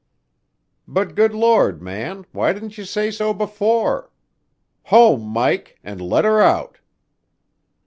"But good Lord, man, why didn't you say so before? Home, Mike, and let her out!"